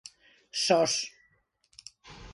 Sós.